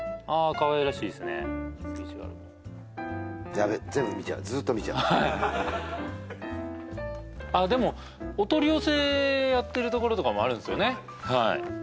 かわいらしいっすねヤベッ全部見ちゃうずっと見ちゃうでもお取り寄せやってるところとかもあるんすよね